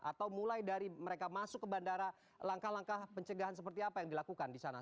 atau mulai dari mereka masuk ke bandara langkah langkah pencegahan seperti apa yang dilakukan di sana